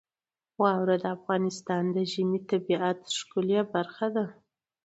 واوره د افغانستان د ژمنۍ طبیعت ښکلې برخه ده.